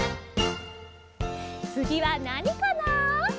つぎはなにかな？